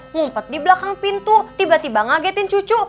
ngumpet di belakang pintu tiba tiba ngagetin cucu